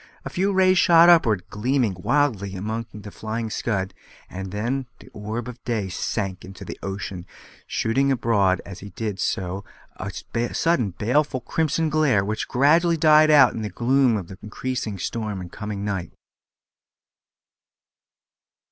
A few rays shot upward, gleaming wildly among the flying scud, and then the orb of day sank into the ocean, shooting abroad as he did so a sudden baleful crimson glare, which gradually died out in the gloom of increasing storm and coming night.